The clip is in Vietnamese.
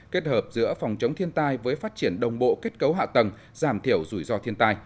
kết hợp giữa phòng chống thiên tai với phát triển đồng bộ kết cấu hạ tầng giảm thiểu rủi ro thiên tai